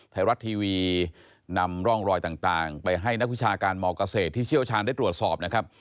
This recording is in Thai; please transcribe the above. ไทยรัฐทีวีนำร่องรอยต่างไปให้นักวิชาการมเกษตรที่เชี่ยวชาญได้ตรวจสอบนะครับ